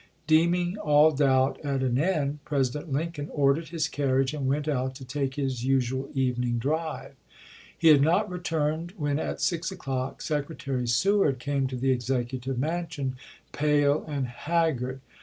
Deeming all doubt at an end. President Lincoln ordered his carriage and went out to take his usual evening di'ive. He had not returned when, at six o'clock. Sec retary Seward came to the Executive Mansion, pale and haggard.